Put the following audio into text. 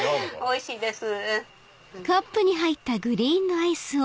おいしいです。